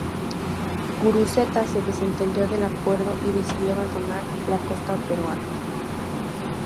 Guruceta se desentendió del acuerdo y decidió abandonar la costa peruana.